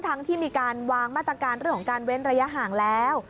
ที่มีการวางมาตรการเรื่องของการเว้นระยะห่างแล้ว